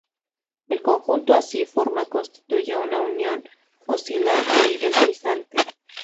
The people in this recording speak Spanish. El conjunto así formado constituye una unión oscilante y deslizante.